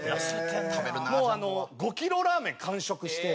もうあの５キロラーメン完食して。